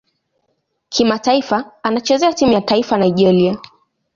Kimataifa anachezea timu ya taifa Nigeria.